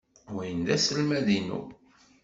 Win d aselmad-inu.